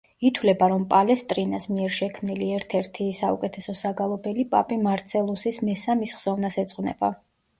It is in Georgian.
ითვლება, რომ პალესტრინას მიერ შექმნილი ერთ-ერთი საუკეთესო საგალობელი პაპი მარცელუსის მესა მის ხსოვნას ეძღვნება.